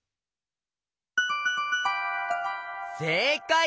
せいかい！